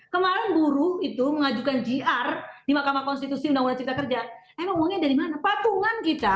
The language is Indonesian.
kemarin buruh itu mengajukan gr di mahkamah konstitusi undang undang cipta kerja emang uangnya dari mana patungan kita